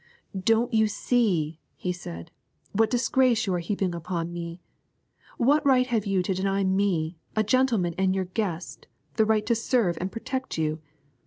'Don't you see,' he said, 'what disgrace you are heaping upon me? What right have you to deny to me, a gentleman and your guest, the right to serve and protect you?